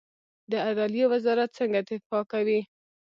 د عدلیې وزارت څنګه دفاع کوي؟